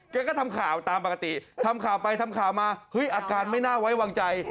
ก็ทำข่าวตามปกติทำข่าวไปทำข่าวมาเฮ้ยอาการไม่น่าไว้วางใจ